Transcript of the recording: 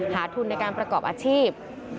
หาทุนในการประกอบอาชีพ